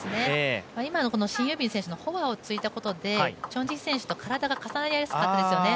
今のシン・ユビン選手のフォアをついたところでチョン・ジヒ選手と体が重なりやすかったですよね。